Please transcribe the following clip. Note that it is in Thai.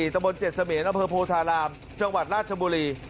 ตำรวจ๗เสมียนอภพโพธารามจังหวัดราชบุรี